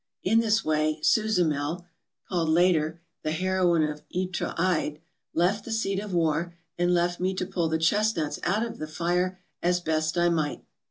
In this way 'Susamel' — called later the 'Heroine of Ytre Eide' — left the seat of war, and left me to pull the chestnuts out of the fire as best I might.